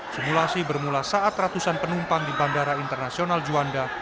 simulasi bermula saat ratusan penumpang di bandara internasional juanda